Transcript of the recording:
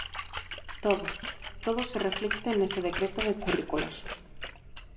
Todo, todo se reflicte nese Decreto de currículos.